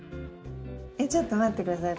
えっちょっと待って下さい。